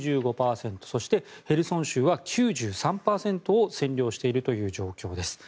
そしてヘルソン州は９３％を占領しているという状況です。